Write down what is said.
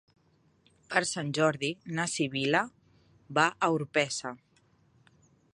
Per Sant Jordi na Sibil·la va a Orpesa.